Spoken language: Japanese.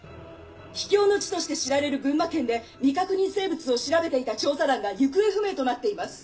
秘境の地として知られる群馬県で未確認生物を調べていた調査団が行方不明となっています。